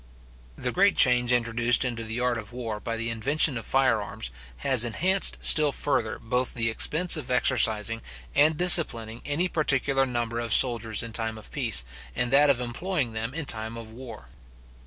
The great change introduced into the art of war by the invention of fire arms, has enhanced still further both the expense of exercising and disciplining any particular number of soldiers in time of peace, and that of employing them in time of war.